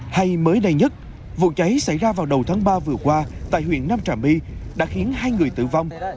hay mới đây nhất vụ cháy xảy ra vào đầu tháng ba vừa qua tại huyện nam trà my đã khiến hai người tử vong